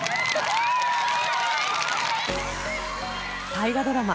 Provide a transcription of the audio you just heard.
大河ドラマ